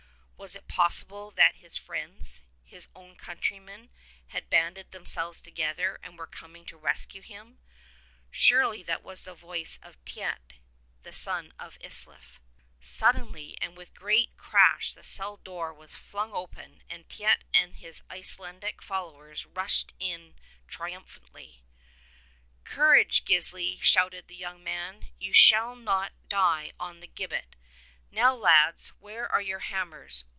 Was it possible that his friends, his own countrymen, had banded themselves together and were coming to rescue him ? Surely that was the voice of Teit, the son of Islief. Suddenly and with a great crash the cell door was flung open, and Teit and his Icelandic followers rushed in trium phantly. ''Courage, Gisli," shouted the young man, "you shall not die on the gibbet. Now, lads, where are your hammers?